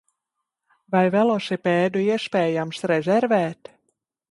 Vai velosipēdu iespējams rezervēt?